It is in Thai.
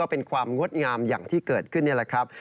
เป็นความงดงามอย่างที่เกิดขึ้นนี่แหละครับ